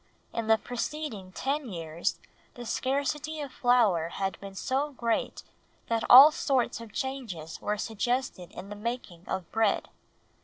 In the preceding ten years the scarcity of flour had been so great that all sorts of changes were suggested in the making of bread.